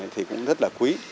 thì cũng rất là quý